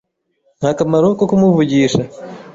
Nta kamaro ko kumuvugisha.